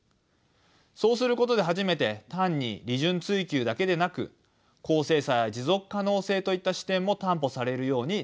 そうすることで初めて単に利潤追求だけでなく公正さや持続可能性といった視点も担保されるようになるからです。